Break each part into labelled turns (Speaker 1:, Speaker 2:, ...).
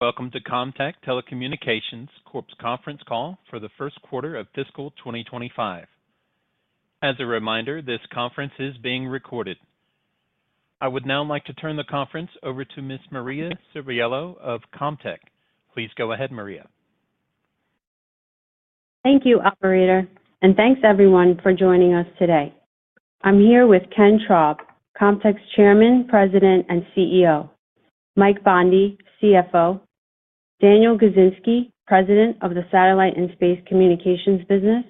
Speaker 1: Welcome to Comtech Telecommunications Corp.'s Conference Call for the Q1 of Fiscal 2025. As a reminder, this conference is being recorded. I would now like to turn the conference over to Ms. Maria Ceriello of Comtech. Please go ahead, Maria.
Speaker 2: Thank you, Operator, and thanks everyone for joining us today. I'm here with Ken Traub, Comtech's Chairman, President, and CEO, Mike Bondi, CFO, Daniel Gizinski, President of the Satellite and Space Communications Business,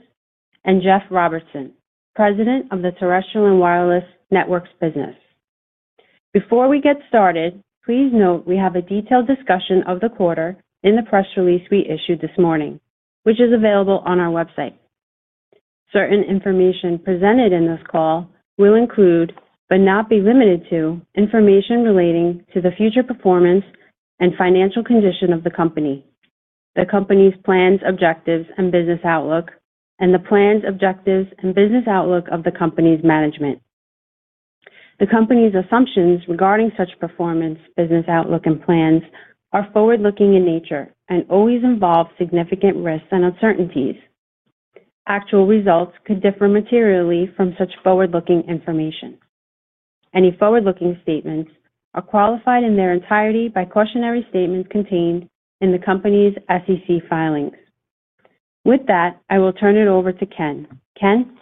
Speaker 2: and Jeff Robertson, President of the Terrestrial and Wireless Networks Business. Before we get started, please note we have a detailed discussion of the quarter in the press release we issued this morning, which is available on our website. Certain information presented in this call will include, but not be limited to, information relating to the future performance and financial condition of the company, the company's plans, objectives, and business outlook, and the plans, objectives, and business outlook of the company's management. The company's assumptions regarding such performance, business outlook, and plans are forward-looking in nature and always involve significant risks and uncertainties. Actual results could differ materially from such forward-looking information. Any forward-looking statements are qualified in their entirety by cautionary statements contained in the company's SEC filings. With that, I will turn it over to Ken. Ken?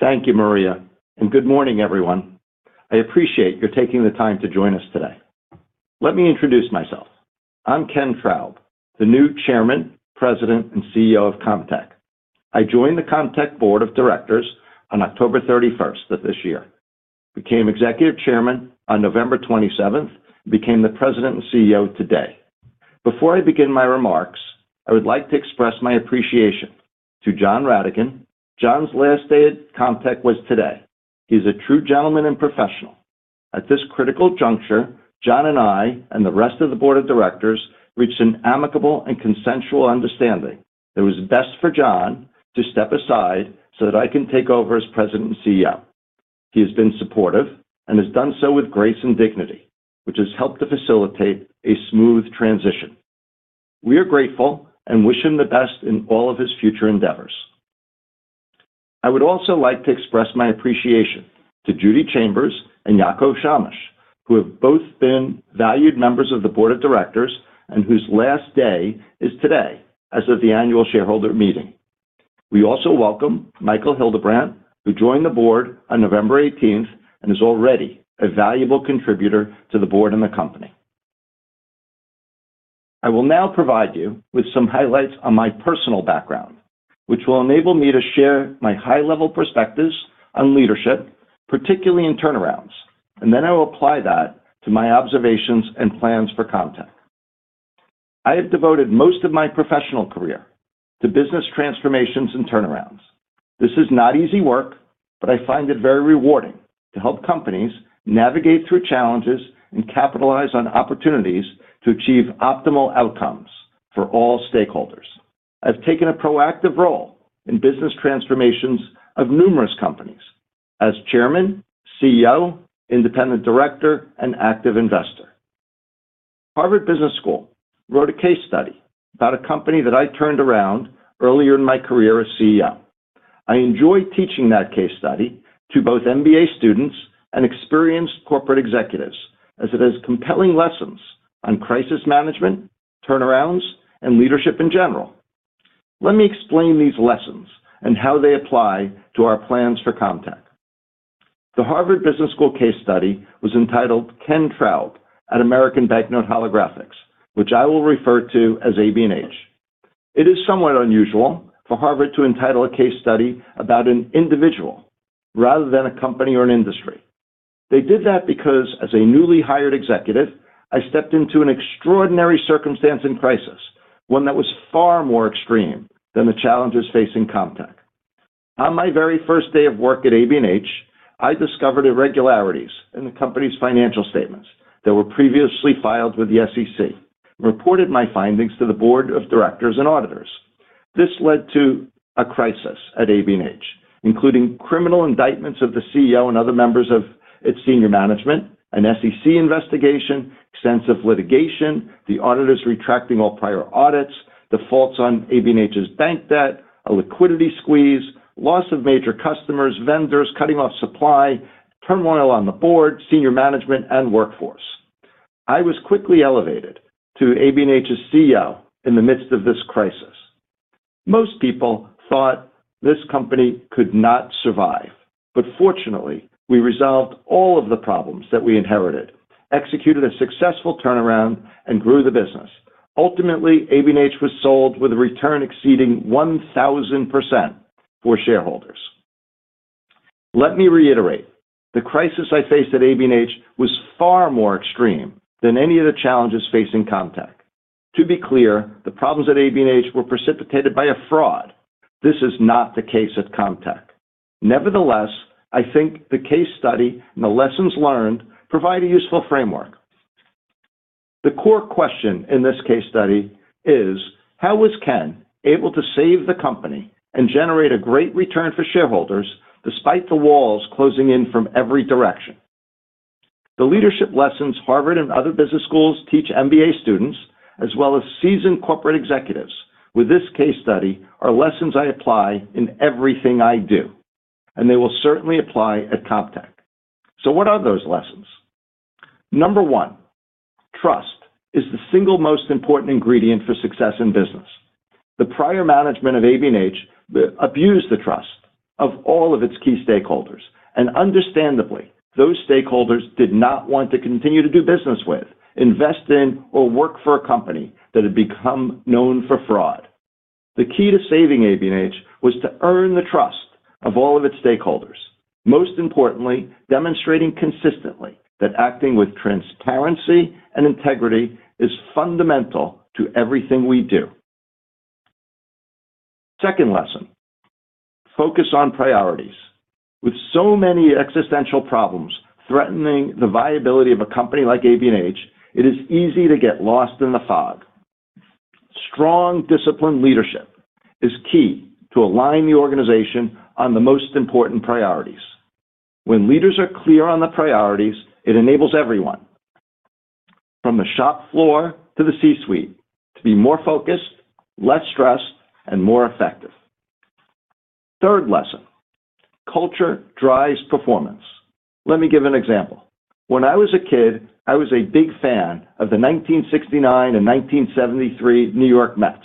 Speaker 3: Thank you, Maria, and good morning, everyone. I appreciate your taking the time to join us today. Let me introduce myself. I'm Ken Traub, the new Chairman, President, and CEO of Comtech. I joined the Comtech Board of Directors on October 31st of this year, became Executive Chairman on November 27th, and became the President and CEO today. Before I begin my remarks, I would like to express my appreciation to John Ratigan. John's last day at Comtech was today. He's a true gentleman and professional. At this critical juncture, John and I and the rest of the Board of Directors reached an amicable and consensual understanding that it was best for John to step aside so that I can take over as President and CEO. He has been supportive and has done so with grace and dignity, which has helped to facilitate a smooth transition. We are grateful and wish him the best in all of his future endeavors. I would also like to express my appreciation to Judy Chambers and Yacov Shamash, who have both been valued members of the Board of Directors and whose last day is today, as of the annual shareholder meeting. We also welcome Michael Hildebrand, who joined the board on November 18th and is already a valuable contributor to the board and the company. I will now provide you with some highlights on my personal background, which will enable me to share my high-level perspectives on leadership, particularly in turnarounds, and then I will apply that to my observations and plans for Comtech. I have devoted most of my professional career to business transformations and turnarounds. This is not easy work, but I find it very rewarding to help companies navigate through challenges and capitalize on opportunities to achieve optimal outcomes for all stakeholders. I've taken a proactive role in business transformations of numerous companies as Chairman, CEO, Independent Director, and Active Investor. Harvard Business School wrote a case study about a company that I turned around earlier in my career as CEO. I enjoy teaching that case study to both MBA students and experienced corporate executives, as it has compelling lessons on crisis management, turnarounds, and leadership in general. Let me explain these lessons and how they apply to our plans for Comtech. The Harvard Business School case study was entitled "Ken Traub at American Banknote Holographics," which I will refer to as ABNH. It is somewhat unusual for Harvard to entitle a case study about an individual rather than a company or an industry. They did that because, as a newly hired executive, I stepped into an extraordinary circumstance and crisis, one that was far more extreme than the challenges facing Comtech. On my very first day of work at ABNH, I discovered irregularities in the company's financial statements that were previously filed with the SEC and reported my findings to the Board of Directors and Auditors. This led to a crisis at ABNH, including criminal indictments of the CEO and other members of its senior management, an SEC investigation, extensive litigation, the auditors retracting all prior audits, defaults on ABNH's bank debt, a liquidity squeeze, loss of major customers, vendors cutting off supply, turmoil on the board, senior management, and workforce. I was quickly elevated to ABNH's CEO in the midst of this crisis. Most people thought this company could not survive, but fortunately, we resolved all of the problems that we inherited, executed a successful turnaround, and grew the business. Ultimately, ABNH was sold with a return exceeding 1,000% for shareholders. Let me reiterate, the crisis I faced at ABNH was far more extreme than any of the challenges facing Comtech. To be clear, the problems at ABNH were precipitated by a fraud. This is not the case at Comtech. Nevertheless, I think the case study and the lessons learned provide a useful framework. The core question in this case study is, how was Ken able to save the company and generate a great return for shareholders despite the walls closing in from every direction? The leadership lessons Harvard and other business schools teach MBA students, as well as seasoned corporate executives with this case study, are lessons I apply in everything I do, and they will certainly apply at Comtech. So what are those lessons? Number one, trust is the single most important ingredient for success in business. The prior management of ABNH abused the trust of all of its key stakeholders, and understandably, those stakeholders did not want to continue to do business with, invest in, or work for a company that had become known for fraud. The key to saving ABNH was to earn the trust of all of its stakeholders, most importantly, demonstrating consistently that acting with transparency and integrity is fundamental to everything we do. Second lesson, focus on priorities. With so many existential problems threatening the viability of a company like ABNH, it is easy to get lost in the fog. Strong, disciplined leadership is key to align the organization on the most important priorities. When leaders are clear on the priorities, it enables everyone, from the shop floor to the C-suite, to be more focused, less stressed, and more effective. Third lesson, culture drives performance. Let me give an example. When I was a kid, I was a big fan of the 1969 and 1973 New York Mets.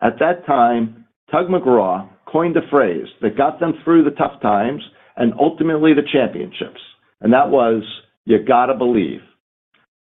Speaker 3: At that time, Tug McGraw coined a phrase that got them through the tough times and ultimately the championships, and that was, "You got to believe."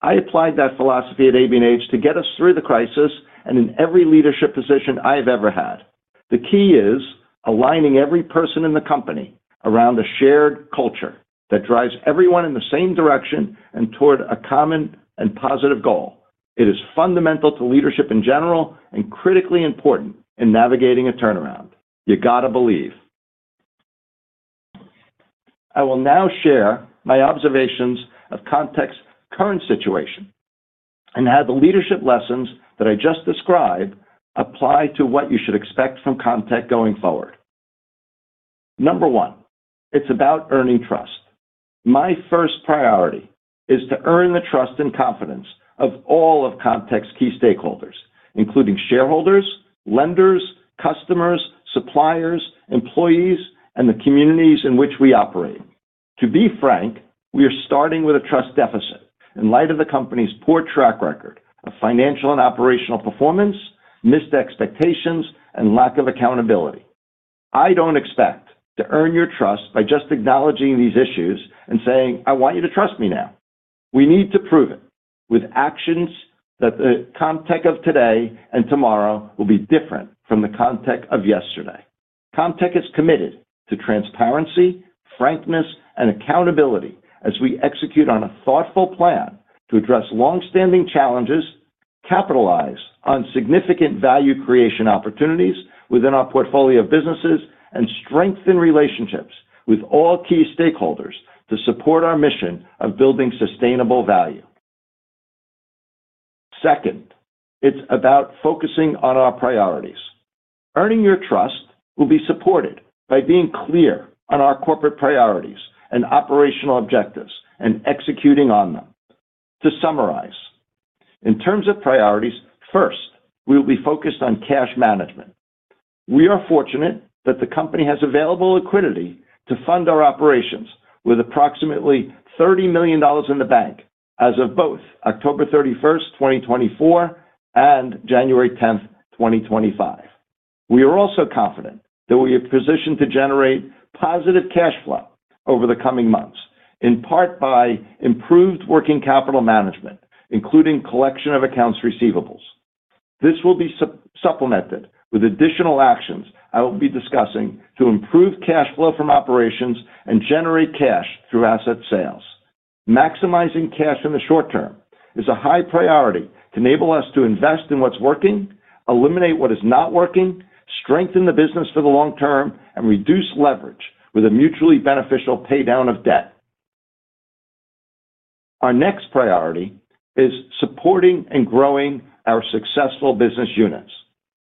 Speaker 3: I applied that philosophy at ABNH to get us through the crisis and in every leadership position I've ever had. The key is aligning every person in the company around a shared culture that drives everyone in the same direction and toward a common and positive goal. It is fundamental to leadership in general and critically important in navigating a turnaround. You got to believe. I will now share my observations of Comtech's current situation and how the leadership lessons that I just described apply to what you should expect from Comtech going forward. Number one, it's about earning trust. My first priority is to earn the trust and confidence of all of Comtech's key stakeholders, including shareholders, lenders, customers, suppliers, employees, and the communities in which we operate. To be frank, we are starting with a trust deficit in light of the company's poor track record of financial and operational performance, missed expectations, and lack of accountability. I don't expect to earn your trust by just acknowledging these issues and saying, "I want you to trust me now." We need to prove it with actions that the Comtech of today and tomorrow will be different from the Comtech of yesterday. Comtech is committed to transparency, frankness, and accountability as we execute on a thoughtful plan to address longstanding challenges, capitalize on significant value creation opportunities within our portfolio of businesses, and strengthen relationships with all key stakeholders to support our mission of building sustainable value. Second, it's about focusing on our priorities. Earning your trust will be supported by being clear on our corporate priorities and operational objectives and executing on them. To summarize, in terms of priorities, first, we will be focused on cash management. We are fortunate that the company has available liquidity to fund our operations with approximately $30 million in the bank as of both October 31st, 2024, and January 10th, 2025. We are also confident that we are positioned to generate positive cash flow over the coming months, in part by improved working capital management, including collection of accounts receivables. This will be supplemented with additional actions I will be discussing to improve cash flow from operations and generate cash through asset sales. Maximizing cash in the short term is a high priority to enable us to invest in what's working, eliminate what is not working, strengthen the business for the long term, and reduce leverage with a mutually beneficial paydown of debt. Our next priority is supporting and growing our successful business units.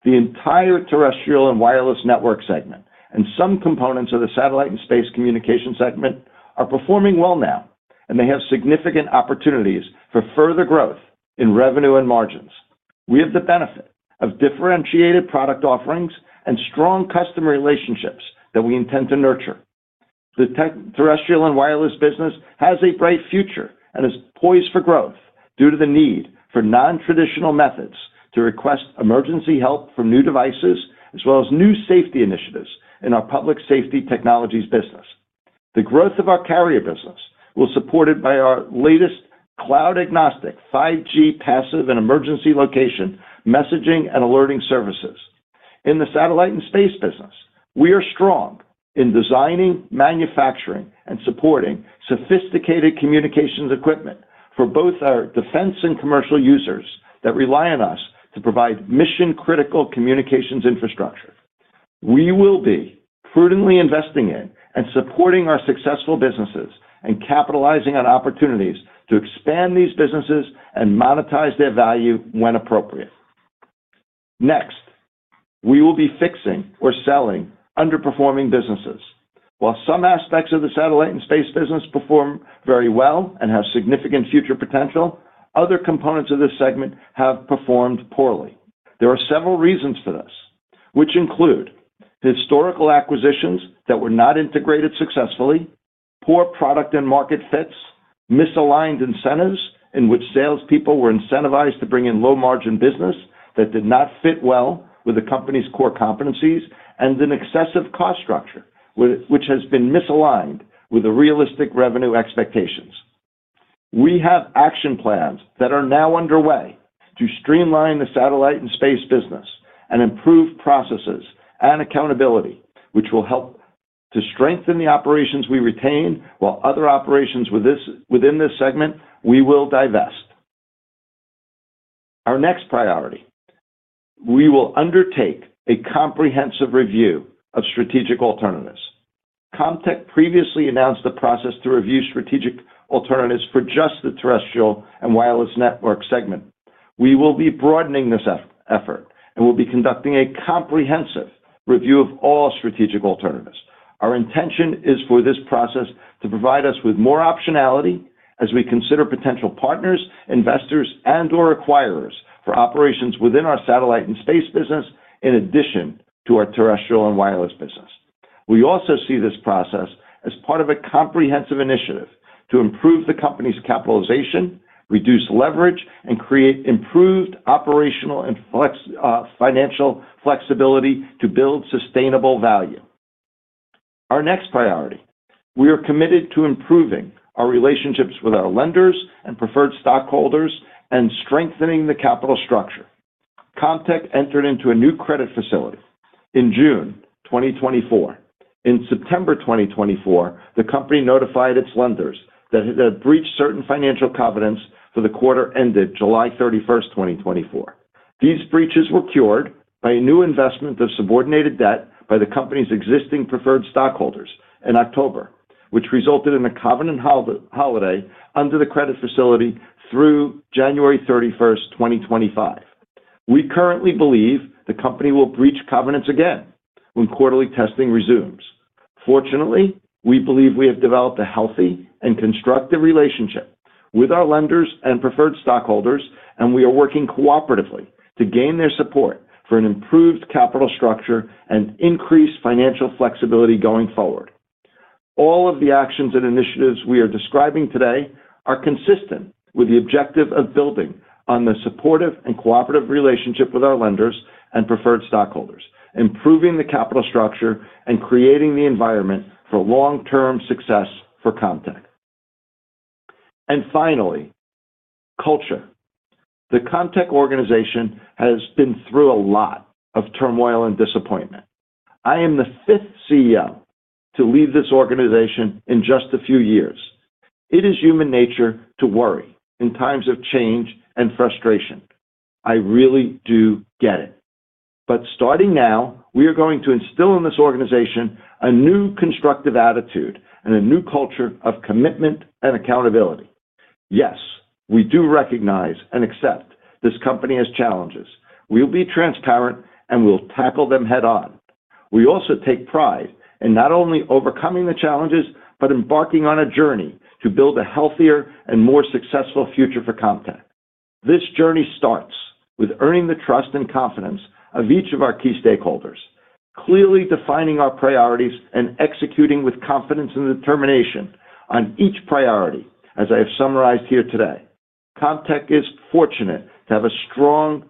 Speaker 3: The entire terrestrial and wireless network segment and some components of the satellite and space communication segment are performing well now, and they have significant opportunities for further growth in revenue and margins. We have the benefit of differentiated product offerings and strong customer relationships that we intend to nurture. The terrestrial and wireless business has a bright future and is poised for growth due to the need for non-traditional methods to request emergency help for new devices, as well as new safety initiatives in our public safety technologies business. The growth of our carrier business will be supported by our latest cloud-agnostic 5G passive and emergency location messaging and alerting services. In the satellite and space business, we are strong in designing, manufacturing, and supporting sophisticated communications equipment for both our defense and commercial users that rely on us to provide mission-critical communications infrastructure. We will be prudently investing in and supporting our successful businesses and capitalizing on opportunities to expand these businesses and monetize their value when appropriate. Next, we will be fixing or selling underperforming businesses. While some aspects of the satellite and space business perform very well and have significant future potential, other components of this segment have performed poorly. There are several reasons for this, which include historical acquisitions that were not integrated successfully, poor product and market fits, misaligned incentives in which salespeople were incentivized to bring in low-margin business that did not fit well with the company's core competencies, and an excessive cost structure, which has been misaligned with the realistic revenue expectations. We have action plans that are now underway to streamline the satellite and space business and improve processes and accountability, which will help to strengthen the operations we retain, while other operations within this segment we will divest. Our next priority. We will undertake a comprehensive review of strategic alternatives. Comtech previously announced the process to review strategic alternatives for just the terrestrial and wireless network segment. We will be broadening this effort and will be conducting a comprehensive review of all strategic alternatives. Our intention is for this process to provide us with more optionality as we consider potential partners, investors, and/or acquirers for operations within our satellite and space business, in addition to our terrestrial and wireless business. We also see this process as part of a comprehensive initiative to improve the company's capitalization, reduce leverage, and create improved operational and financial flexibility to build sustainable value. Our next priority, we are committed to improving our relationships with our lenders and preferred stockholders and strengthening the capital structure. Comtech entered into a new credit facility in June 2024. In September 2024, the company notified its lenders that it had breached certain financial covenants for the quarter ended July 31st, 2024. These breaches were cured by a new investment of subordinated debt by the company's existing preferred stockholders in October, which resulted in a covenant holiday under the credit facility through January 31st, 2025. We currently believe the company will breach covenants again when quarterly testing resumes. Fortunately, we believe we have developed a healthy and constructive relationship with our lenders and preferred stockholders, and we are working cooperatively to gain their support for an improved capital structure and increased financial flexibility going forward. All of the actions and initiatives we are describing today are consistent with the objective of building on the supportive and cooperative relationship with our lenders and preferred stockholders, improving the capital structure and creating the environment for long-term success for Comtech. And finally, culture. The Comtech organization has been through a lot of turmoil and disappointment. I am the fifth CEO to leave this organization in just a few years. It is human nature to worry in times of change and frustration. I really do get it. But starting now, we are going to instill in this organization a new constructive attitude and a new culture of commitment and accountability. Yes, we do recognize and accept this company has challenges. We will be transparent and we'll tackle them head-on. We also take pride in not only overcoming the challenges, but embarking on a journey to build a healthier and more successful future for Comtech. This journey starts with earning the trust and confidence of each of our key stakeholders, clearly defining our priorities and executing with confidence and determination on each priority, as I have summarized here today. Comtech is fortunate to have a strong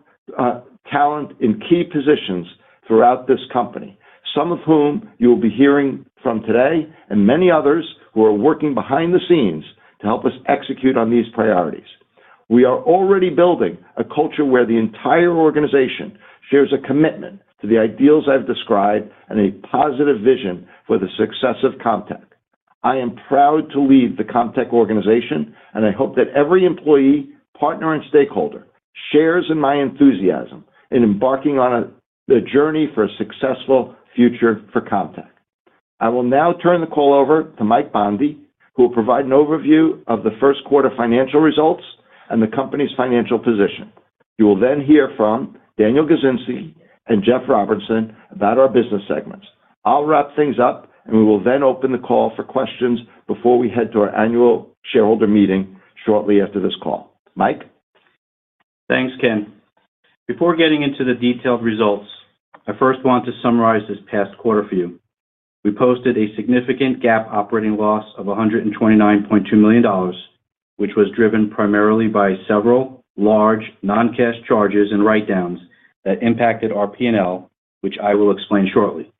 Speaker 3: talent in key positions throughout this company, some of whom you will be hearing from today and many others who are working behind the scenes to help us execute on these priorities. We are already building a culture where the entire organization shares a commitment to the ideals I've described and a positive vision for the success of Comtech. I am proud to lead the Comtech organization, and I hope that every employee, partner, and stakeholder shares in my enthusiasm in embarking on the journey for a successful future for Comtech. I will now turn the call over to Mike Bondi, who will provide an overview of the Q1 financial results and the company's financial position. You will then hear from Daniel Gizinski and Jeff Robertson about our business segments. I'll wrap things up, and we will then open the call for questions before we head to our annual shareholder meeting shortly after this call. Mike?
Speaker 4: Thanks, Ken. Before getting into the detailed results, I first want to summarize this past quarter for you. We posted a significant GAAP operating loss of $129.2 million, which was driven primarily by several large non-cash charges and write-downs that impacted our P&L, which I will explain shortly.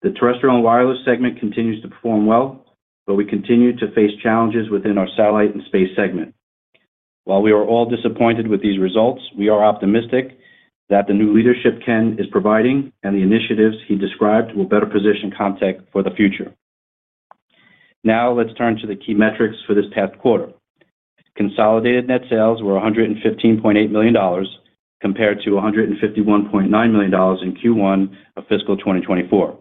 Speaker 4: The terrestrial and wireless segment continues to perform well, but we continue to face challenges within our satellite and space segment. While we are all disappointed with these results, we are optimistic that the new leadership Ken is providing and the initiatives he described will better position Comtech for the future. Now, let's turn to the key metrics for this past quarter. Consolidated net sales were $115.8 million compared to $151.9 million in Q1 of fiscal 2024.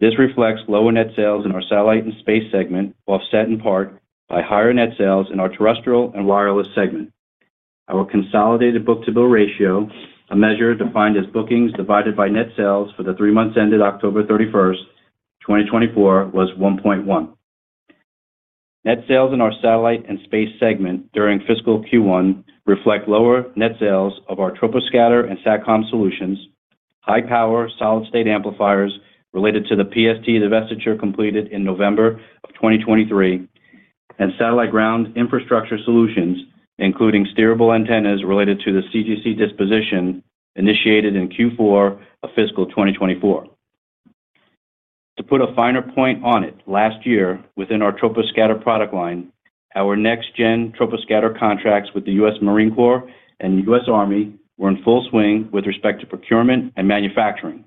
Speaker 4: This reflects lower net sales in our satellite and space segment, offset in part by higher net sales in our terrestrial and wireless segment. Our consolidated book-to-bill ratio, a measure defined as bookings divided by net sales for the three months ended October 31st, 2024, was 1.1. Net sales in our satellite and space segment during fiscal Q1 reflect lower net sales of our Troposcatter and Satcom solutions, high-power solid-state amplifiers related to the PST divestiture completed in November of 2023, and satellite ground infrastructure solutions, including steerable antennas related to the CGC disposition initiated in Q4 of fiscal 2024. To put a finer point on it, last year within our Troposcatter product line, our next-gen Troposcatter contracts with the U.S. Marine Corps and U.S. Army were in full swing with respect to procurement and manufacturing.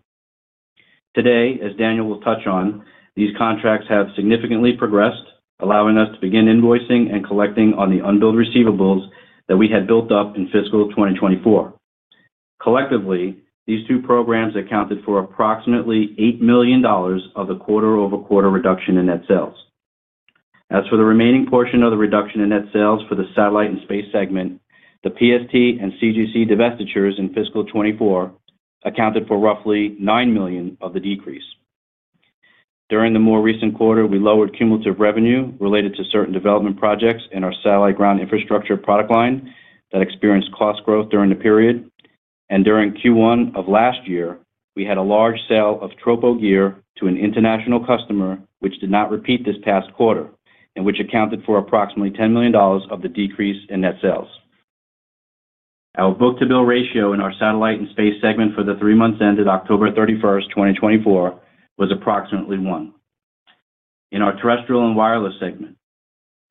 Speaker 4: Today, as Daniel will touch on, these contracts have significantly progressed, allowing us to begin invoicing and collecting on the unbilled receivables that we had built up in fiscal 2024. Collectively, these two programs accounted for approximately $8 million of the quarter-over-quarter reduction in net sales. As for the remaining portion of the reduction in net sales for the satellite and space segment, the PST and CGC divestitures in fiscal 2024 accounted for roughly $9 million of the decrease. During the more recent quarter, we lowered cumulative revenue related to certain development projects in our satellite ground infrastructure product line that experienced cost growth during the period. And during Q1 of last year, we had a large sale of Tropo gear to an international customer, which did not repeat this past quarter, and which accounted for approximately $10 million of the decrease in net sales. Our book-to-bill ratio in our satellite and space segment for the three months ended October 31st, 2024, was approximately 1. In our terrestrial and wireless segment,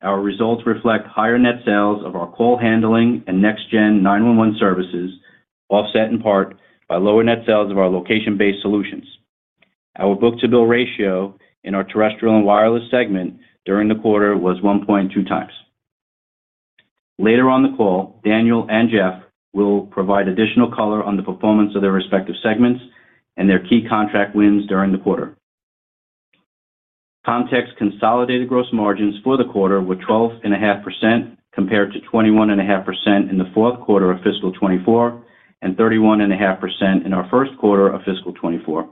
Speaker 4: our results reflect higher net sales of our call handling and Next-Gen 911 services, offset in part by lower net sales of our location-based solutions. Our book-to-bill ratio in our terrestrial and wireless segment during the quarter was 1.2 times. Later on the call, Daniel and Jeff will provide additional color on the performance of their respective segments and their key contract wins during the quarter. Comtech's consolidated gross margins for the quarter were 12.5% compared to 21.5% in the fourth quarter of fiscal 2024 and 31.5% in our first quarter of fiscal 2024.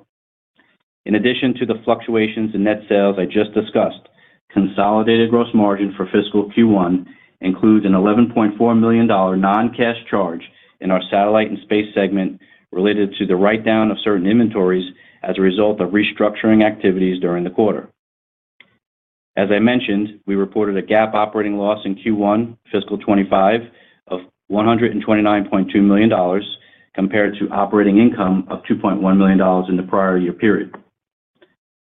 Speaker 4: In addition to the fluctuations in net sales I just discussed, consolidated gross margin for fiscal Q1 includes an $11.4 million non-cash charge in our satellite and space segment related to the write-down of certain inventories as a result of restructuring activities during the quarter. As I mentioned, we reported a GAAP operating loss in Q1 fiscal 2025 of $129.2 million compared to operating income of $2.1 million in the prior year period.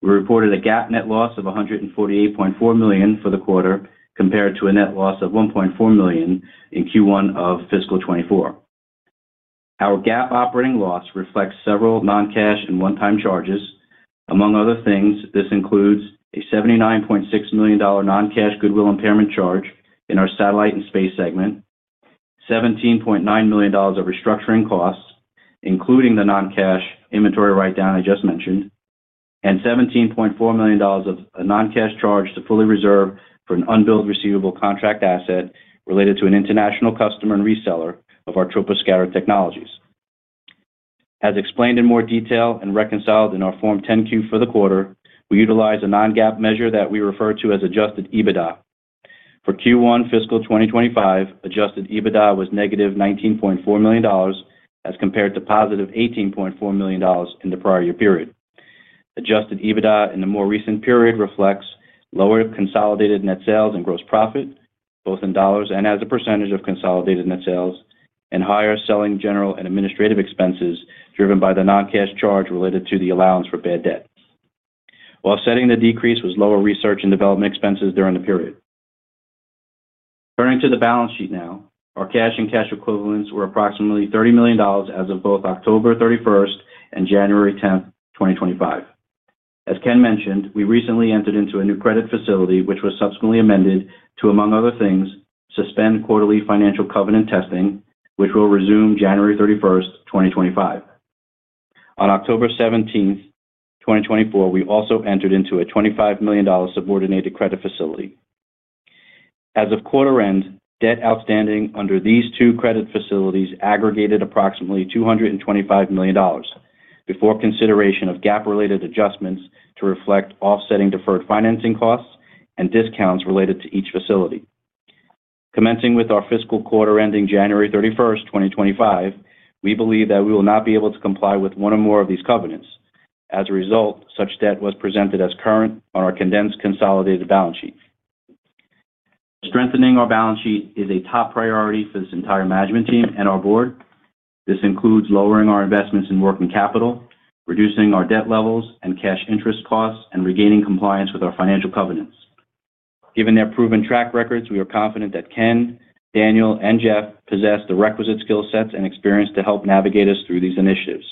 Speaker 4: We reported a GAAP net loss of $148.4 million for the quarter compared to a net loss of $1.4 million in Q1 of fiscal 2024. Our GAAP operating loss reflects several non-cash and one-time charges. Among other things, this includes a $79.6 million non-cash goodwill impairment charge in our satellite and space segment, $17.9 million of restructuring costs, including the non-cash inventory write-down I just mentioned, and $17.4 million of a non-cash charge to fully reserve for an unbilled receivable contract asset related to an international customer and reseller of our Troposcatter technologies. As explained in more detail and reconciled in our Form 10-Q for the quarter, we utilize a non-GAAP measure that we refer to as adjusted EBITDA. For Q1 fiscal 2025, adjusted EBITDA was negative $19.4 million as compared to positive $18.4 million in the prior year period. Adjusted EBITDA in the more recent period reflects lower consolidated net sales and gross profit, both in dollars and as a percentage of consolidated net sales, and higher selling, general, and administrative expenses driven by the non-cash charge related to the allowance for bad debt, while offsetting the decrease was lower research and development expenses during the period. Turning to the balance sheet now, our cash and cash equivalents were approximately $30 million as of both October 31st and January 10th, 2025. As Ken mentioned, we recently entered into a new credit facility, which was subsequently amended to, among other things, suspend quarterly financial covenant testing, which will resume January 31st, 2025. On October 17th, 2024, we also entered into a $25 million subordinated credit facility. As of quarter end, debt outstanding under these two credit facilities aggregated approximately $225 million before consideration of GAAP-related adjustments to reflect offsetting deferred financing costs and discounts related to each facility. Commencing with our fiscal quarter ending January 31st, 2025, we believe that we will not be able to comply with one or more of these covenants. As a result, such debt was presented as current on our condensed consolidated balance sheet. Strengthening our balance sheet is a top priority for this entire management team and our board. This includes lowering our investments in working capital, reducing our debt levels and cash interest costs, and regaining compliance with our financial covenants. Given their proven track records, we are confident that Ken, Daniel, and Jeff possess the requisite skill sets and experience to help navigate us through these initiatives.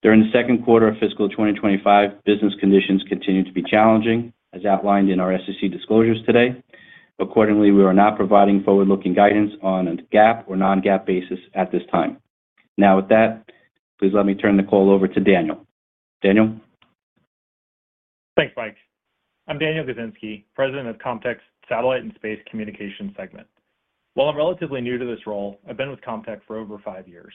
Speaker 4: During the second quarter of fiscal 2025, business conditions continue to be challenging, as outlined in our SEC disclosures today. Accordingly, we are not providing forward-looking guidance on a GAAP or non-GAAP basis at this time. Now, with that, please let me turn the call over to Daniel. Daniel?
Speaker 5: Thanks, Mike. I'm Daniel Gizinski, President of Comtech's satellite and space communications segment. While I'm relatively new to this role, I've been with Comtech for over five years.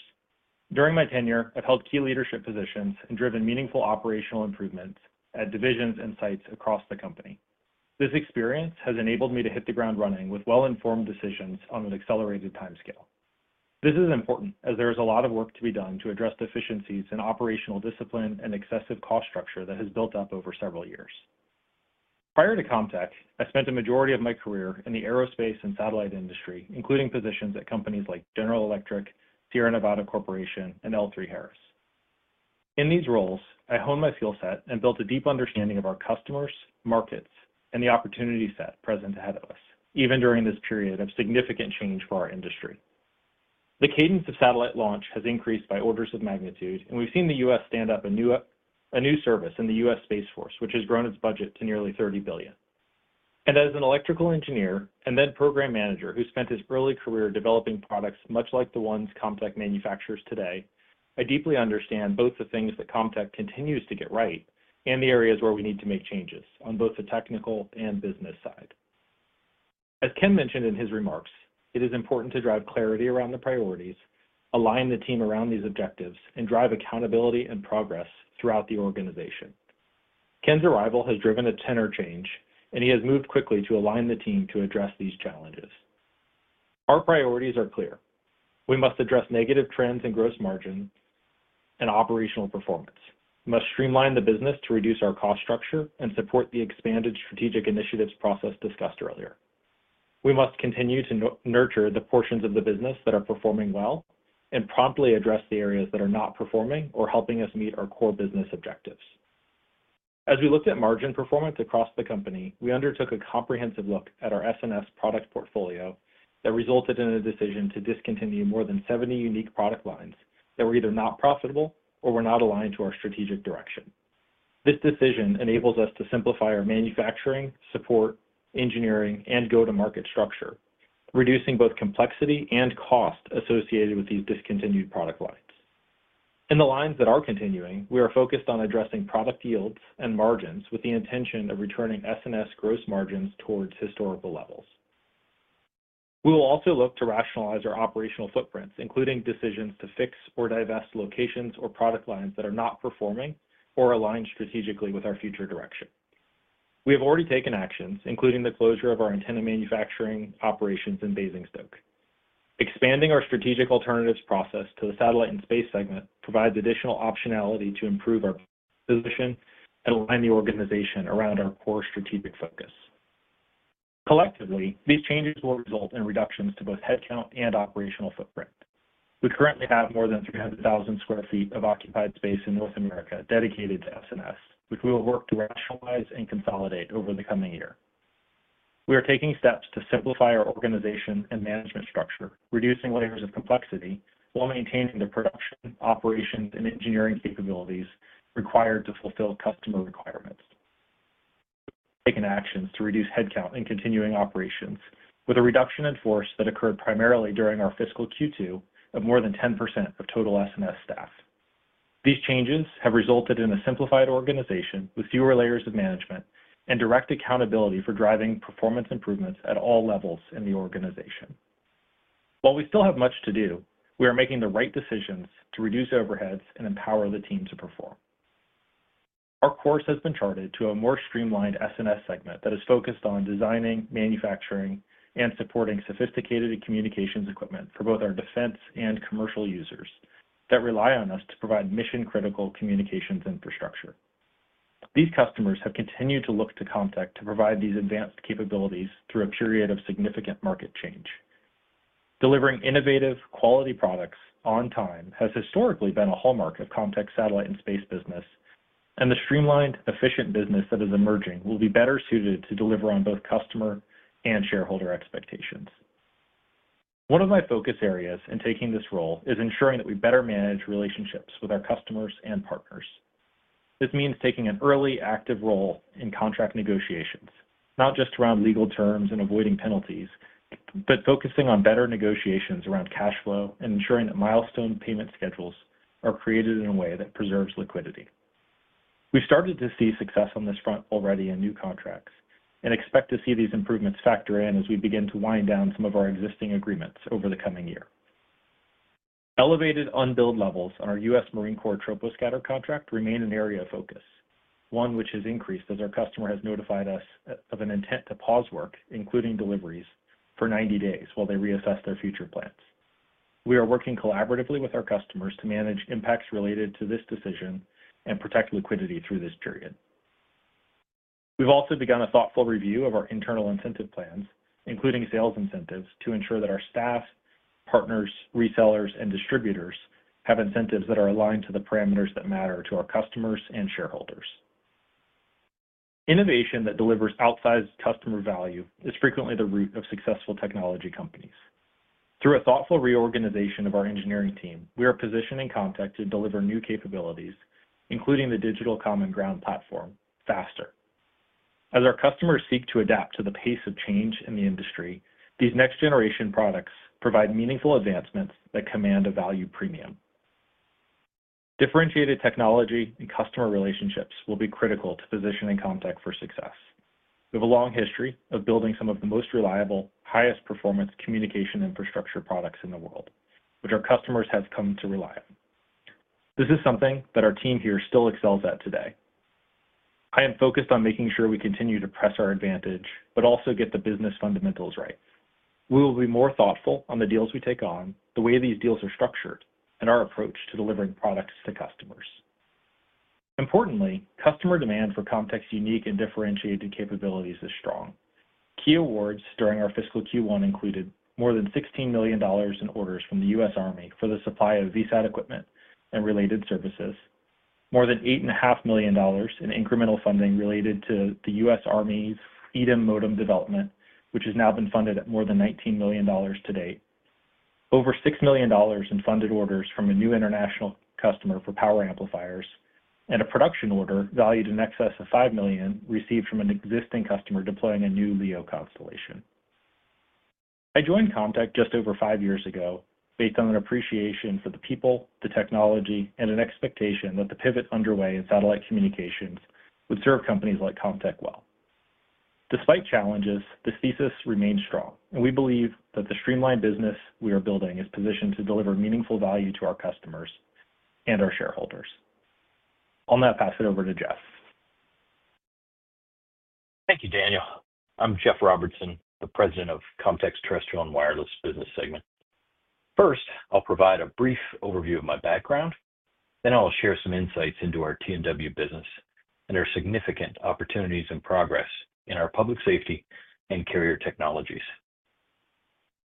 Speaker 5: During my tenure, I've held key leadership positions and driven meaningful operational improvements at divisions and sites across the company. This experience has enabled me to hit the ground running with well-informed decisions on an accelerated timescale. This is important as there is a lot of work to be done to address deficiencies in operational discipline and excessive cost structure that has built up over several years. Prior to Comtech, I spent a majority of my career in the aerospace and satellite industry, including positions at companies like General Electric, Sierra Nevada Corporation, and L3Harris. In these roles, I honed my skill set and built a deep understanding of our customers, markets, and the opportunity set present ahead of us, even during this period of significant change for our industry. The cadence of satellite launch has increased by orders of magnitude, and we've seen the U.S. stand up a new service in the U.S. Space Force, which has grown its budget to nearly $30 billion, and as an electrical engineer and then program manager who spent his early career developing products much like the ones Comtech manufactures today, I deeply understand both the things that Comtech continues to get right and the areas where we need to make changes on both the technical and business side. As Ken mentioned in his remarks, it is important to drive clarity around the priorities, align the team around these objectives, and drive accountability and progress throughout the organization. Ken's arrival has driven a tenor change, and he has moved quickly to align the team to address these challenges. Our priorities are clear. We must address negative trends in gross margin and operational performance. We must streamline the business to reduce our cost structure and support the expanded strategic initiatives process discussed earlier. We must continue to nurture the portions of the business that are performing well and promptly address the areas that are not performing or helping us meet our core business objectives. As we looked at margin performance across the company, we undertook a comprehensive look at our S&S product portfolio that resulted in a decision to discontinue more than 70 unique product lines that were either not profitable or were not aligned to our strategic direction. This decision enables us to simplify our manufacturing, support, engineering, and go-to-market structure, reducing both complexity and cost associated with these discontinued product lines. In the lines that are continuing, we are focused on addressing product yields and margins with the intention of returning S&S gross margins towards historical levels. We will also look to rationalize our operational footprints, including decisions to fix or divest locations or product lines that are not performing or aligned strategically with our future direction. We have already taken actions, including the closure of our antenna manufacturing operations in Basingstoke. Expanding our strategic alternatives process to the satellite and space segment provides additional optionality to improve our position and align the organization around our core strategic focus. Collectively, these changes will result in reductions to both headcount and operational footprint. We currently have more than 300,000 sq ft of occupied space in North America dedicated to S&S, which we will work to rationalize and consolidate over the coming year. We are taking steps to simplify our organization and management structure, reducing layers of complexity while maintaining the production, operations, and engineering capabilities required to fulfill customer requirements. We've taken actions to reduce headcount and continuing operations with a reduction in force that occurred primarily during our fiscal Q2 of more than 10% of total S&S staff. These changes have resulted in a simplified organization with fewer layers of management and direct accountability for driving performance improvements at all levels in the organization. While we still have much to do, we are making the right decisions to reduce overhead and empower the team to perform. Our course has been charted to a more streamlined S&S segment that is focused on designing, manufacturing, and supporting sophisticated communications equipment for both our defense and commercial users that rely on us to provide mission-critical communications infrastructure. These customers have continued to look to Comtech to provide these advanced capabilities through a period of significant market change. Delivering innovative, quality products on time has historically been a hallmark of Comtech's satellite and space business, and the streamlined, efficient business that is emerging will be better suited to deliver on both customer and shareholder expectations. One of my focus areas in taking this role is ensuring that we better manage relationships with our customers and partners. This means taking an early, active role in contract negotiations, not just around legal terms and avoiding penalties, but focusing on better negotiations around cash flow and ensuring that milestone payment schedules are created in a way that preserves liquidity. We've started to see success on this front already in new contracts and expect to see these improvements factor in as we begin to wind down some of our existing agreements over the coming year. Elevated unbilled levels on our U.S. Marine Corps Troposcatter contract remain an area of focus, one which has increased as our customer has notified us of an intent to pause work, including deliveries, for 90 days while they reassess their future plans. We are working collaboratively with our customers to manage impacts related to this decision and protect liquidity through this period. We've also begun a thoughtful review of our internal incentive plans, including sales incentives, to ensure that our staff, partners, resellers, and distributors have incentives that are aligned to the parameters that matter to our customers and shareholders. Innovation that delivers outsized customer value is frequently the root of successful technology companies. Through a thoughtful reorganization of our engineering team, we are positioning Comtech to deliver new capabilities, including the Digital Common Ground Platform, faster. As our customers seek to adapt to the pace of change in the industry, these next-generation products provide meaningful advancements that command a value premium. Differentiated technology and customer relationships will be critical to positioning Comtech for success. We have a long history of building some of the most reliable, highest-performance communication infrastructure products in the world, which our customers have come to rely on. This is something that our team here still excels at today. I am focused on making sure we continue to press our advantage, but also get the business fundamentals right. We will be more thoughtful on the deals we take on, the way these deals are structured, and our approach to delivering products to customers. Importantly, customer demand for Comtech's unique and differentiated capabilities is strong. Key awards during our fiscal Q1 included more than $16 million in orders from the U.S. Army for the supply of VSAT equipment and related services, more than $8.5 million in incremental funding related to the U.S. Army's EDIM modem development, which has now been funded at more than $19 million to date, over $6 million in funded orders from a new international customer for power amplifiers, and a production order valued in excess of $5 million received from an existing customer deploying a new LEO constellation. I joined Comtech just over five years ago based on an appreciation for the people, the technology, and an expectation that the pivot underway in satellite communications would serve companies like Comtech well. Despite challenges, this thesis remains strong, and we believe that the streamlined business we are building is positioned to deliver meaningful value to our customers and our shareholders. I'll now pass it over to Jeff.
Speaker 6: Thank you, Daniel. I'm Jeff Robertson, the President of Comtech's terrestrial and wireless business segment. First, I'll provide a brief overview of my background, then I'll share some insights into our T&W business and our significant opportunities and progress in our public safety and carrier technologies.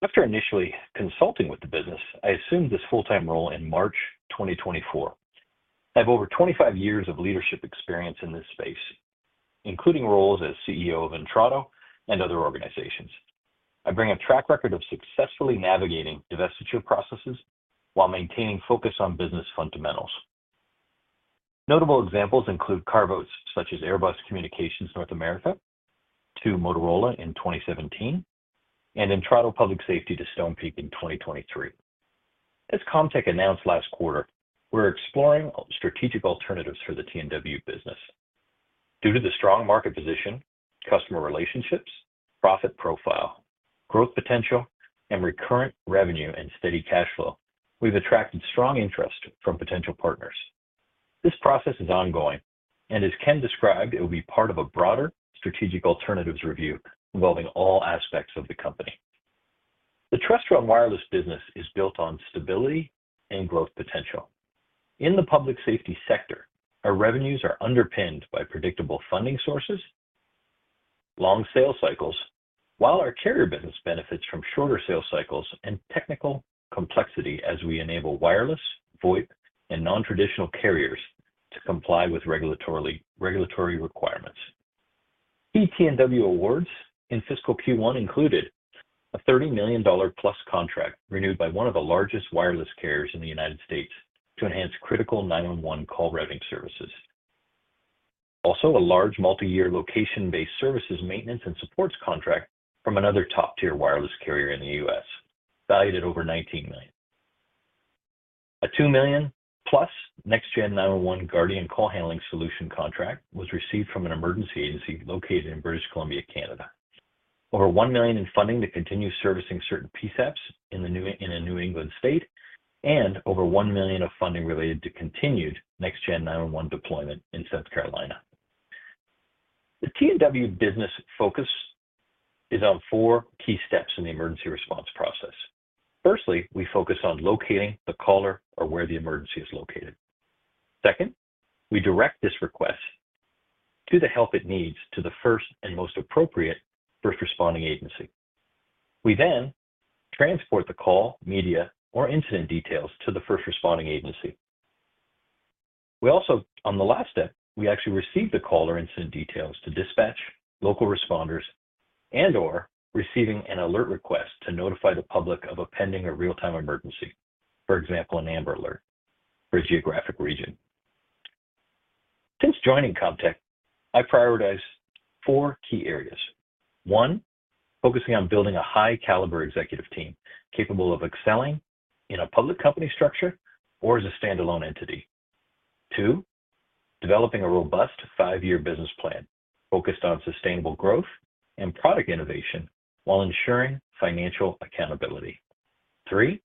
Speaker 6: After initially consulting with the business, I assumed this full-time role in March 2024. I have over 25 years of leadership experience in this space, including roles as CEO of Intrado and other organizations. I bring a track record of successfully navigating divestiture processes while maintaining focus on business fundamentals. Notable examples include carve-outs such as Airbus DS Communications to Motorola Solutions in 2017 and Intrado Public Safety to Stonepeak in 2023. As Comtech announced last quarter, we're exploring strategic alternatives for the T&W business. Due to the strong market position, customer relationships, profit profile, growth potential, and recurrent revenue and steady cash flow, we've attracted strong interest from potential partners. This process is ongoing, and as Ken described, it will be part of a broader strategic alternatives review involving all aspects of the company. The terrestrial and wireless business is built on stability and growth potential. In the public safety sector, our revenues are underpinned by predictable funding sources, long sales cycles, while our carrier business benefits from shorter sales cycles and technical complexity as we enable wireless, VoIP, and non-traditional carriers to comply with regulatory requirements. Key T&W awards in fiscal Q1 included a $30 million-plus contract renewed by one of the largest wireless carriers in the United States to enhance critical 911 call routing services. Also, a large multi-year location-based services maintenance and supports contract from another top-tier wireless carrier in the U.S., valued at over $19 million. A $2 million-plus NextGen 911 Guardian call handling solution contract was received from an emergency agency located in British Columbia, Canada. Over $1 million in funding to continue servicing certain PSAPs in a New England state, and over $1 million of funding related to continued NextGen 911 deployment in South Carolina. The T&W business focus is on four key steps in the emergency response process. Firstly, we focus on locating the caller or where the emergency is located. Second, we direct this request to the help it needs to the first and most appropriate first responding agency. We then transport the call, media, or incident details to the first responding agency. On the last step, we actually receive the caller incident details to dispatch local responders and/or receiving an alert request to notify the public of a pending or real-time emergency, for example, an Amber Alert for a geographic region. Since joining Comtech, I prioritize four key areas. One, focusing on building a high-caliber executive team capable of excelling in a public company structure or as a standalone entity. Two, developing a robust five-year business plan focused on sustainable growth and product innovation while ensuring financial accountability. Three,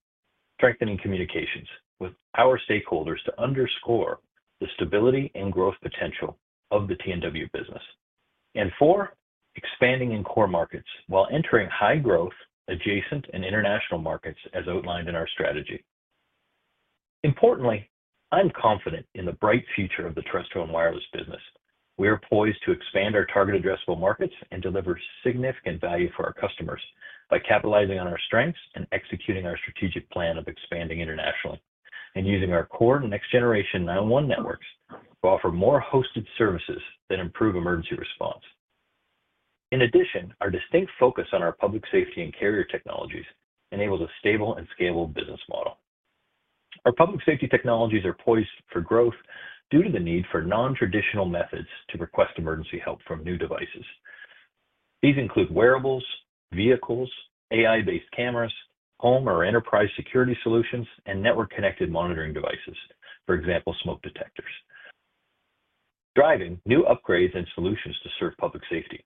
Speaker 6: strengthening communications with our stakeholders to underscore the stability and growth potential of the T&W business. And four, expanding in core markets while entering high-growth, adjacent, and international markets as outlined in our strategy. Importantly, I'm confident in the bright future of the terrestrial and wireless business. We are poised to expand our target addressable markets and deliver significant value for our customers by capitalizing on our strengths and executing our strategic plan of expanding internationally and using our core Next Generation 911 networks to offer more hosted services that improve emergency response. In addition, our distinct focus on our public safety and carrier technologies enables a stable and scalable business model. Our public safety technologies are poised for growth due to the need for non-traditional methods to request emergency help from new devices. These include wearables, vehicles, AI-based cameras, home or enterprise security solutions, and network-connected monitoring devices, for example, smoke detectors, driving new upgrades and solutions to serve public safety.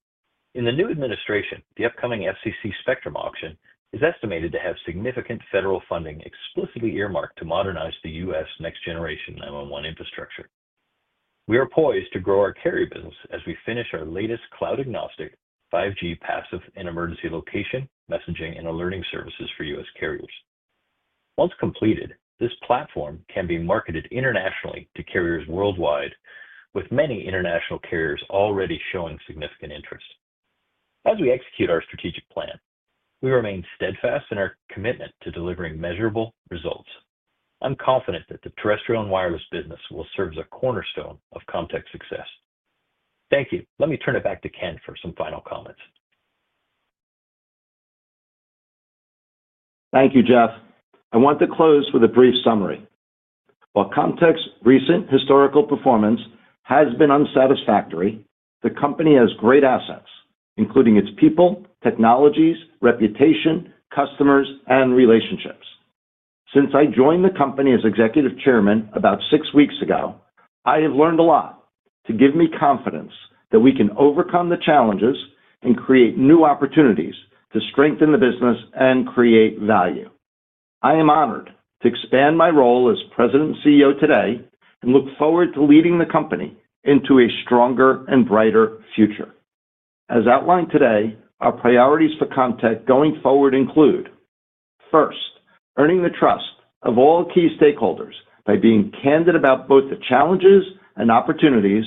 Speaker 6: In the new administration, the upcoming FCC spectrum auction is estimated to have significant federal funding explicitly earmarked to modernize the U.S. Next Generation 911 infrastructure. We are poised to grow our carrier business as we finish our latest cloud-agnostic 5G passive and emergency location, messaging, and alerting services for U.S. carriers. Once completed, this platform can be marketed internationally to carriers worldwide, with many international carriers already showing significant interest. As we execute our strategic plan, we remain steadfast in our commitment to delivering measurable results. I'm confident that the terrestrial and wireless business will serve as a cornerstone of Comtech's success. Thank you. Let me turn it back to Ken for some final comments.
Speaker 3: Thank you, Jeff. I want to close with a brief summary. While Comtech's recent historical performance has been unsatisfactory, the company has great assets, including its people, technologies, reputation, customers, and relationships. Since I joined the company as executive chairman about six weeks ago, I have learned a lot to give me confidence that we can overcome the challenges and create new opportunities to strengthen the business and create value. I am honored to expand my role as President and CEO today and look forward to leading the company into a stronger and brighter future. As outlined today, our priorities for Comtech going forward include: first, earning the trust of all key stakeholders by being candid about both the challenges and opportunities,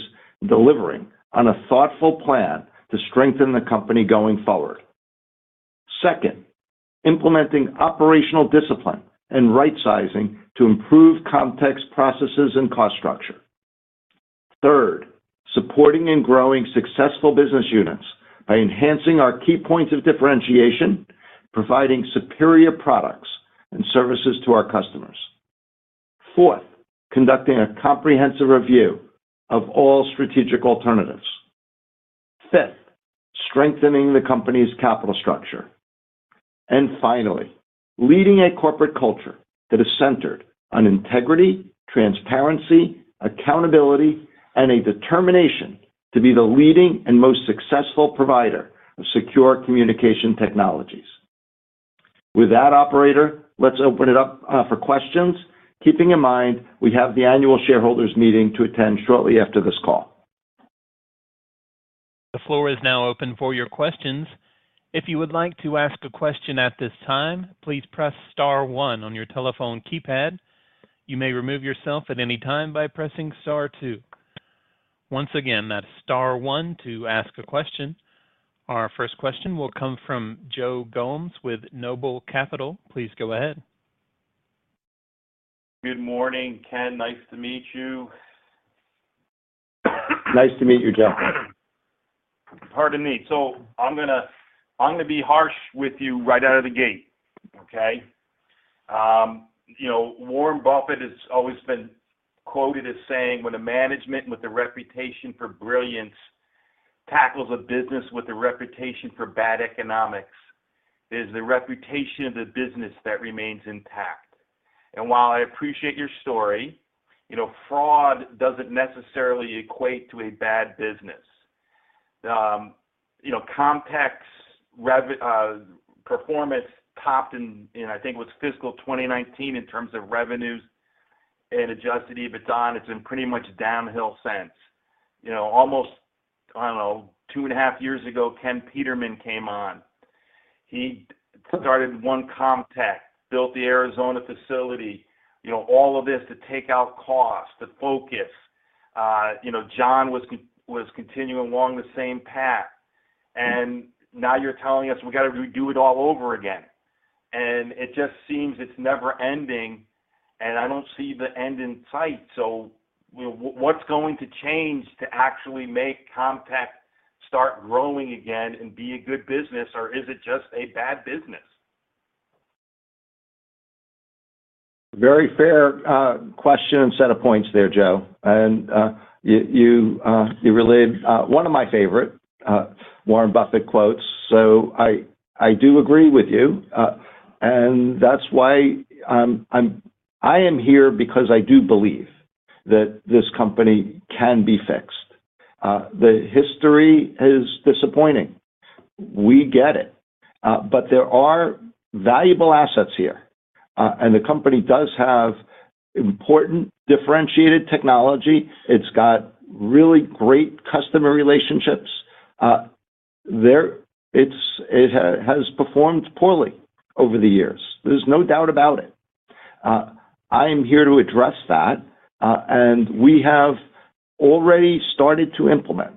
Speaker 3: delivering on a thoughtful plan to strengthen the company going forward. Second, implementing operational discipline and right-sizing to improve Comtech's processes and cost structure. Third, supporting and growing successful business units by enhancing our key points of differentiation, providing superior products and services to our customers. Fourth, conducting a comprehensive review of all strategic alternatives. Fifth, strengthening the company's capital structure. And finally, leading a corporate culture that is centered on integrity, transparency, accountability, and a determination to be the leading and most successful provider of secure communication technologies. With that, Operator, let's open it up for questions, keeping in mind we have the annual shareholders meeting to attend shortly after this call.
Speaker 1: The floor is now open for your questions. If you would like to ask a question at this time, please press Star 1 on your telephone keypad. You may remove yourself at any time by pressing Star 2. Once again, that's Star 1 to ask a question. Our first question will come from Joe Gomes with Noble Capital. Please go ahead.
Speaker 7: Good morning, Ken. Nice to meet you.
Speaker 3: Nice to meet you, Joe.
Speaker 7: Pardon me. So I'm going to be harsh with you right out of the gate, okay? Warren Buffett has always been quoted as saying, "When a management with a reputation for brilliance tackles a business with a reputation for bad economics, it is the reputation of the business that remains intact." And while I appreciate your story, fraud doesn't necessarily equate to a bad business. Comtech's performance topped in, I think it was fiscal 2019, in terms of revenues and Adjusted EBITDA. It's been pretty much downhill since. Almost, I don't know, two and a half years ago, Ken Peterman came on. He started One Comtech, built the Arizona facility, all of this to take out costs, to focus. John was continuing along the same path. And now you're telling us we got to redo it all over again. And it just seems it's never-ending, and I don't see the end in sight. So what's going to change to actually make Comtech start growing again and be a good business, or is it just a bad business?
Speaker 3: Very fair question and set of points there, Joe. And you relayed one of my favorite Warren Buffett quotes. So I do agree with you. And that's why I am here because I do believe that this company can be fixed. The history is disappointing. We get it. But there are valuable assets here. And the company does have important differentiated technology. It's got really great customer relationships. It has performed poorly over the years. There's no doubt about it. I am here to address that. And we have already started to implement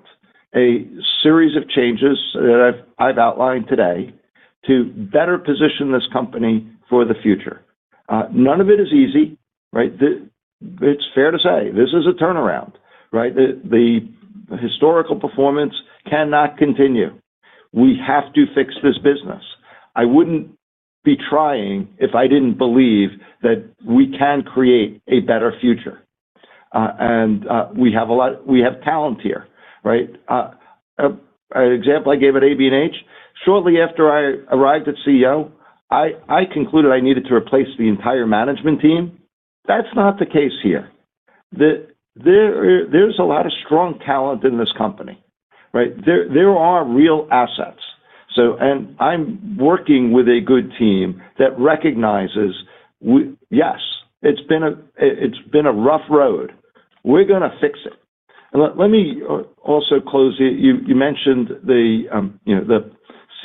Speaker 3: a series of changes that I've outlined today to better position this company for the future. None of it is easy, right? It's fair to say. This is a turnaround, right? The historical performance cannot continue. We have to fix this business. I wouldn't be trying if I didn't believe that we can create a better future. And we have talent here, right? An example I gave at AB&H, shortly after I arrived as CEO, I concluded I needed to replace the entire management team. That's not the case here. There's a lot of strong talent in this company, right? There are real assets. I'm working with a good team that recognizes, yes, it's been a rough road. We're going to fix it. And let me.
Speaker 7: Also close it. You mentioned the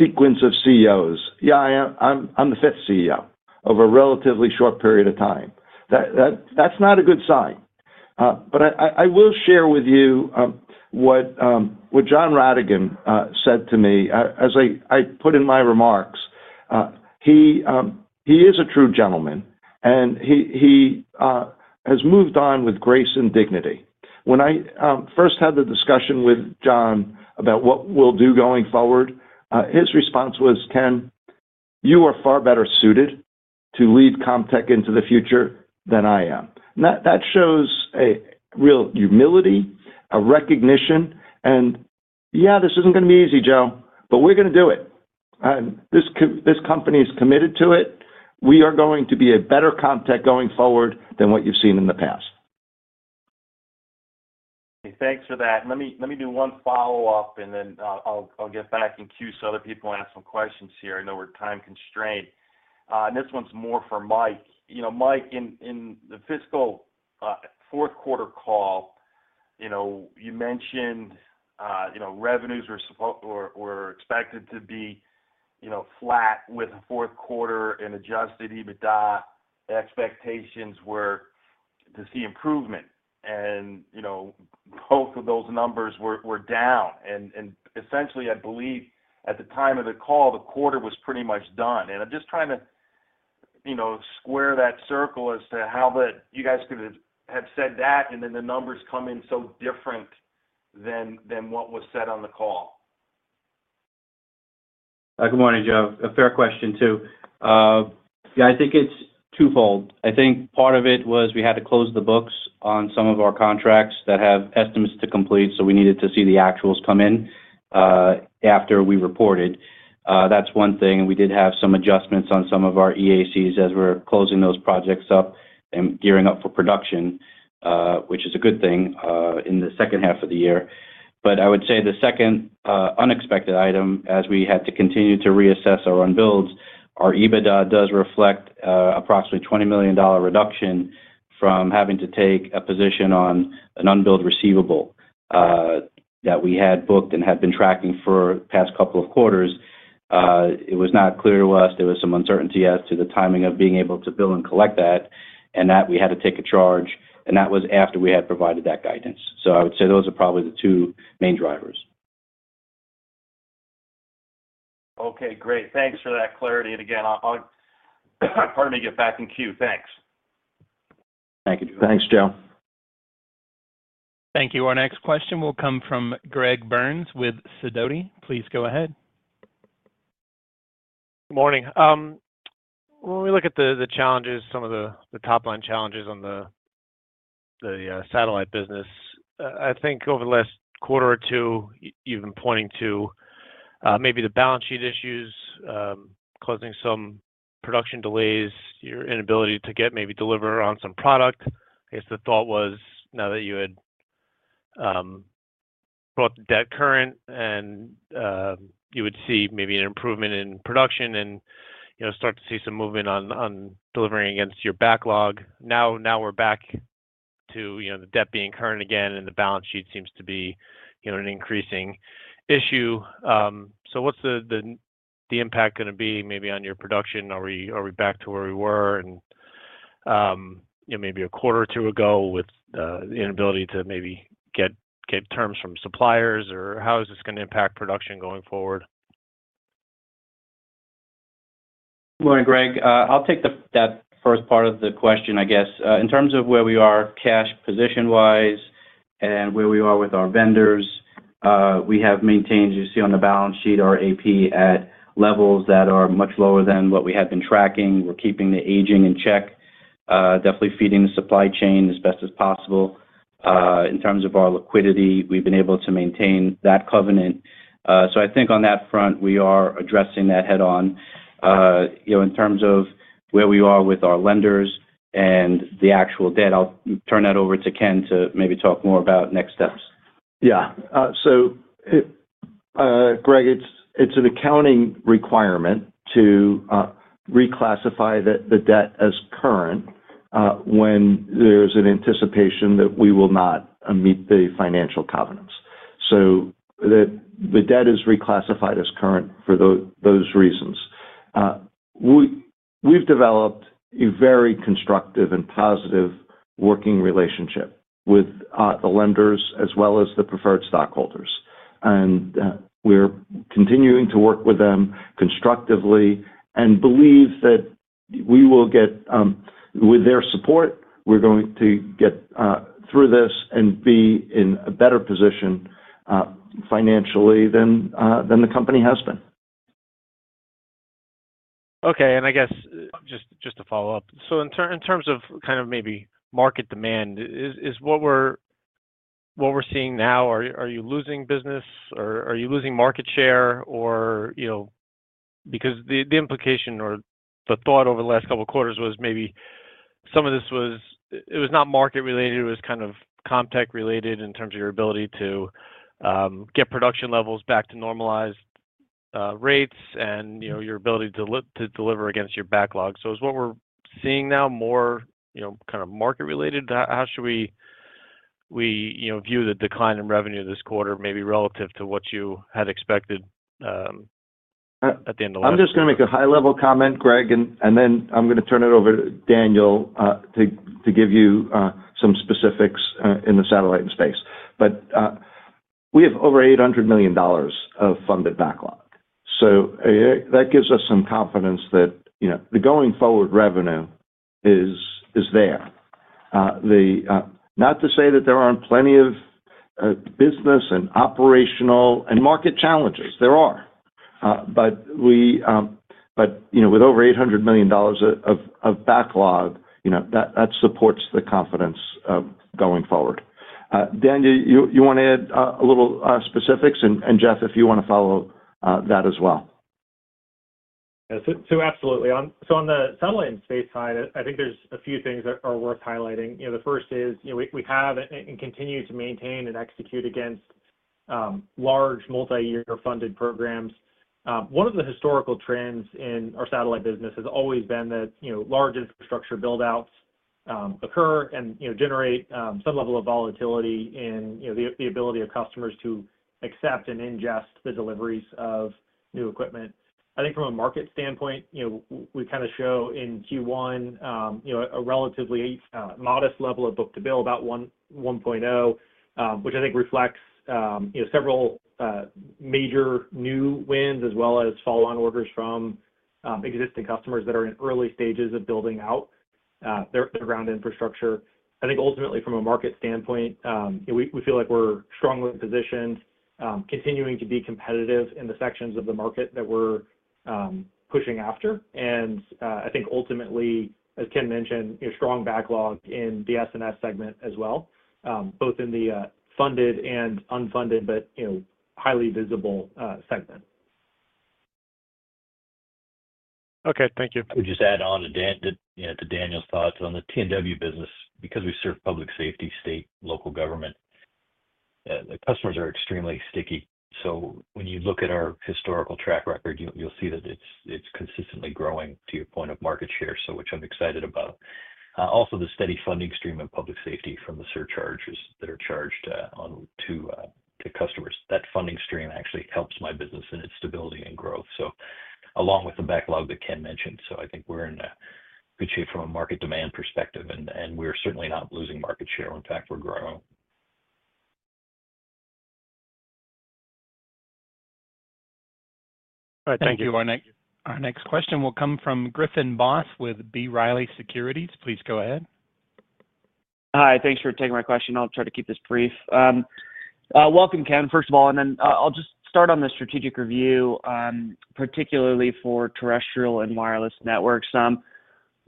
Speaker 7: sequence of CEOs.
Speaker 3: Yeah, I'm the fifth CEO over a relatively short period of time. That's not a good sign. But I will share with you what John Ratigan said to me as I put in my remarks. He is a true gentleman, and he has moved on with grace and dignity. When I first had the discussion with John about what we'll do going forward, his response was, "Ken, you are far better suited to lead Comtech into the future than I am." That shows a real humility, a recognition, and yeah, this isn't going to be easy, Joe, but we're going to do it. This company is committed to it. We are going to be a better Comtech going forward than what you've seen in the past.
Speaker 7: Thanks for that. Let me do one follow-up, and then I'll get back in queue so other people can ask some questions here. I know we're time constrained. And this one's more for Mike. Mike, in the fiscal fourth quarter call, you mentioned revenues were expected to be flat with the fourth quarter and Adjusted EBITDA. The expectations were to see improvement. And both of those numbers were down. And essentially, I believe at the time of the call, the quarter was pretty much done. And I'm just trying to square that circle as to how you guys could have said that, and then the numbers come in so different than what was said on the call.
Speaker 4: Good morning, Joe. A fair question too. Yeah, I think it's twofold. I think part of it was we had to close the books on some of our contracts that have estimates to complete, so we needed to see the actuals come in after we reported. That's one thing. And we did have some adjustments on some of our EACs as we're closing those projects up and gearing up for production, which is a good thing in the second half of the year. But I would say the second unexpected item, as we had to continue to reassess our unbilled, our EBITDA does reflect an approximately $20 million reduction from having to take a position on an unbilled receivable that we had booked and had been tracking for the past couple of quarters. It was not clear to us. There was some uncertainty as to the timing of being able to bill and collect that, and that we had to take a charge, and that was after we had provided that guidance, so I would say those are probably the two main drivers. Okay, great. Thanks for that clarity, and again, pardon me, get back in queue. Thanks.
Speaker 3: Thank you, Joe. Thanks, Joe.
Speaker 1: Thank you. Our next question will come from Greg Burns with Sidoti. Please go ahead.
Speaker 8: Good morning. When we look at the challenges, some of the top-line challenges on the satellite business, I think over the last quarter or two, you've been pointing to maybe the balance sheet issues, causing some production delays, your inability to get maybe deliver on some product. I guess the thought was now that you had brought the debt current and you would see maybe an improvement in production and start to see some movement on delivering against your backlog. Now we're back to the debt being current again, and the balance sheet seems to be an increasing issue. So what's the impact going to be maybe on your production? Are we back to where we were maybe a quarter or two ago with the inability to maybe get terms from suppliers, or how is this going to impact production going forward?
Speaker 4: Good morning, Greg. I'll take that first part of the question, I guess. In terms of where we are cash position-wise and where we are with our vendors, we have maintained, as you see on the balance sheet, our AP at levels that are much lower than what we had been tracking. We're keeping the aging in check, definitely feeding the supply chain as best as possible. In terms of our liquidity, we've been able to maintain that covenant. So I think on that front, we are addressing that head-on. In terms of where we are with our lenders and the actual debt, I'll turn that over to Ken to maybe talk more about next steps.
Speaker 3: Yeah. So, Greg, it's an accounting requirement to reclassify the debt as current when there's an anticipation that we will not meet the financial covenants. So the debt is reclassified as current for those reasons. We've developed a very constructive and positive working relationship with the lenders as well as the preferred stockholders. We're continuing to work with them constructively and believe that we will get, with their support, we're going to get through this and be in a better position financially than the company has been.
Speaker 8: Okay. I guess just to follow up, so in terms of kind of maybe market demand, is what we're seeing now, are you losing business or are you losing market share? Because the implication or the thought over the last couple of quarters was maybe some of this. It was not market-related. It was kind of Comtech-related in terms of your ability to get production levels back to normalized rates and your ability to deliver against your backlog. Is what we're seeing now more kind of market-related? How should we view the decline in revenue this quarter maybe relative to what you had expected at the end of the month?
Speaker 3: I'm just going to make a high-level comment, Greg, and then I'm going to turn it over to Daniel to give you some specifics in the satellite space. But we have over $800 million of funded backlog. So that gives us some confidence that the going-forward revenue is there. Not to say that there aren't plenty of business and operational and market challenges. There are. But with over $800 million of backlog, that supports the confidence going forward. Daniel, you want to add a little specifics? And Jeff, if you want to follow that as well.
Speaker 5: So absolutely. So on the satellite and space side, I think there's a few things that are worth highlighting. The first is we have and continue to maintain and execute against large multi-year funded programs. One of the historical trends in our satellite business has always been that large infrastructure buildouts occur and generate some level of volatility in the ability of customers to accept and ingest the deliveries of new equipment. I think from a market standpoint, we kind of show in Q1 a relatively modest level of book-to-bill, about 1.0, which I think reflects several major new wins as well as follow-on orders from existing customers that are in early stages of building out their ground infrastructure. I think ultimately, from a market standpoint, we feel like we're strongly positioned, continuing to be competitive in the sections of the market that we're pushing after. And I think ultimately, as Ken mentioned, strong backlog in the S&S segment as well, both in the funded and unfunded, but highly visible segment.
Speaker 8: Okay. Thank you.
Speaker 6: I would just add on to Daniel's thoughts on the T&W business. Because we serve public safety, state, local government, the customers are extremely sticky. So when you look at our historical track record, you'll see that it's consistently growing to your point of market share, which I'm excited about. Also, the steady funding stream of public safety from the surcharges that are charged to customers, that funding stream actually helps my business in its stability and growth, along with the backlog that Ken mentioned. So I think we're in good shape from a market demand perspective, and we're certainly not losing market share. In fact, we're growing.
Speaker 1: All right. Thank you. Our next question will come from C. Please go ahead.
Speaker 9: Hi. Thanks for taking my question. I'll try to keep this brief. Welcome, Ken, first of all. And then I'll just start on the strategic review, particularly for terrestrial and wireless networks.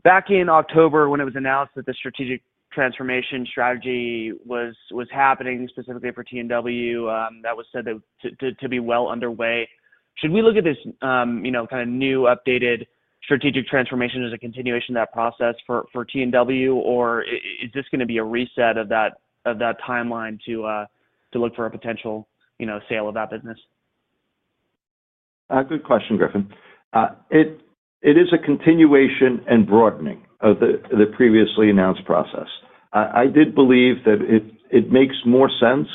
Speaker 9: Back in October, when it was announced that the strategic transformation strategy was happening specifically for T&W, that was said to be well underway. Should we look at this kind of new, updated strategic transformation as a continuation of that process for T&W, or is this going to be a reset of that timeline to look for a potential sale of that business?
Speaker 3: Good question, Griffin. It is a continuation and broadening of the previously announced process. I did believe that it makes more sense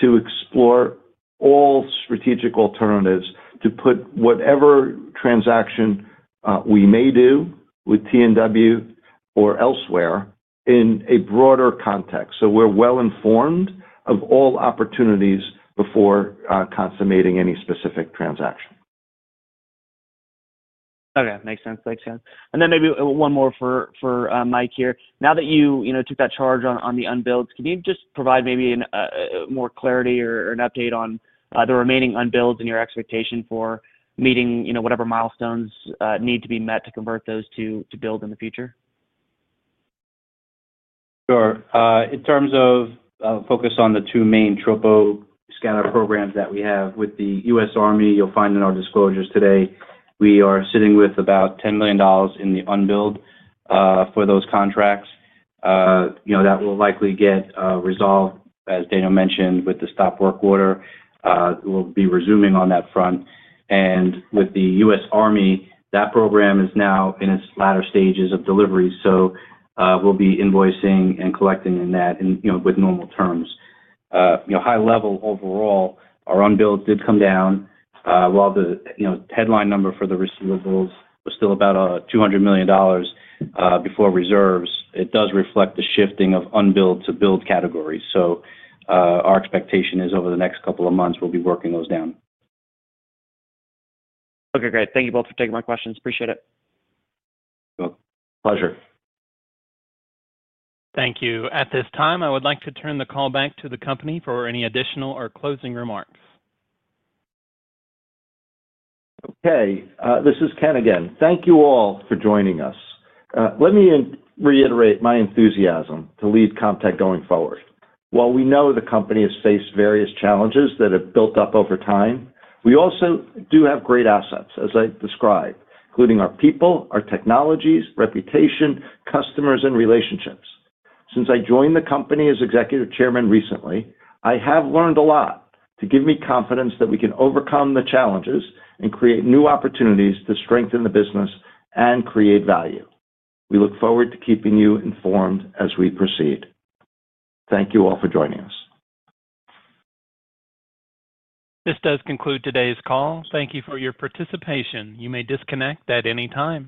Speaker 3: to explore all strategic alternatives to put whatever transaction we may do with T&W or elsewhere in a broader context. So we're well informed of all opportunities before consummating any specific transaction.
Speaker 9: Okay. Makes sense. Thanks, Ken. And then maybe one more for Mike here. Now that you took that charge on the unbilled, can you just provide maybe more clarity or an update on the remaining unbilled and your expectation for meeting whatever milestones need to be met to convert those to bill in the future?
Speaker 4: Sure. In terms of focus on the two main Troposcatter programs that we have with the U.S. Army, you'll find in our disclosures today, we are sitting with about $10 million in the unbilled for those contracts. That will likely get resolved, as Daniel mentioned, with the stop work order. We'll be resuming on that front, and with the U.S. Army, that program is now in its latter stages of delivery, so we'll be invoicing and collecting in that with normal terms. High-level overall, our unbilled did come down. While the headline number for the receivables was still about $200 million before reserves, it does reflect the shifting of unbilled to billed categories. So our expectation is over the next couple of months, we'll be working those down.
Speaker 9: Okay, great. Thank you both for taking my questions. Appreciate it.
Speaker 4: Pleasure.
Speaker 1: Thank you. At this time, I would like to turn the call back to the company for any additional or closing remarks.
Speaker 3: Okay. This is Ken again. Thank you all for joining us. Let me reiterate my enthusiasm to lead Comtech going forward. While we know the company has faced various challenges that have built up over time, we also do have great assets, as I described, including our people, our technologies, reputation, customers, and relationships. Since I joined the company as Executive Chairman recently, I have learned a lot to give me confidence that we can overcome the challenges and create new opportunities to strengthen the business and create value. We look forward to keeping you informed as we proceed. Thank you all for joining us. This does conclude today's call. Thank you for your participation. You may disconnect at any time.